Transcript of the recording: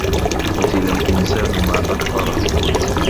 قُتِلَ الإِنسانُ ما أَكفَرَهُ